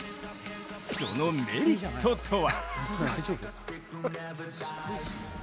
そのメリットとは？